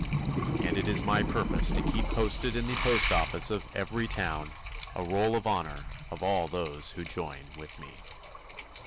And it is my purpose to keep posted in the post office of every town, a Roll of Honor of all those who join with me.